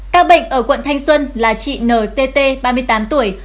ca bệnh ở quận thanh xuân là chị ntt ba mươi tám tuổi